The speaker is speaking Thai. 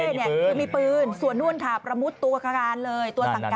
เธอมีปืนส่วนนู่นกับไปปรมุดตัวสังการเลย